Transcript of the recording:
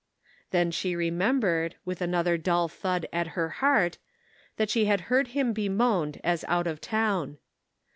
Then she remembered, with another dull thud at her heart, that she had heard him bemoaned as out of town.